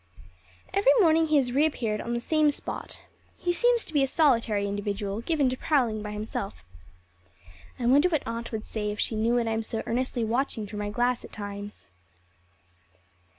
Every morning he has reappeared on the same spot. He seems to be a solitary individual, given to prowling by himself. I wonder what Aunt would say if she knew what I am so earnestly watching through my glass at times.